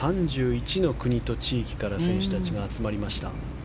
３１の国と地域から選手たちが集まりました。